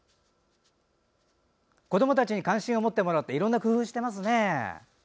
子どもたちに関心を持ってもらおうといろんな工夫をしてますね。